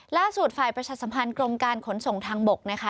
ล่าสุดฝ่ายประชาสัมพันธ์กรมการขนส่งทางบกนะคะ